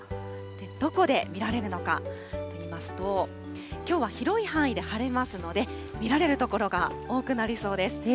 どこで見られるのかといいますと、きょうは広い範囲で晴れますので、見られる所が多くなりそうです。